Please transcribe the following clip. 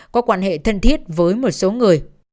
có quan hệ thân thiết với một số người